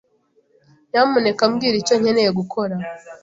Nyamuneka mbwira icyo nkeneye gukora.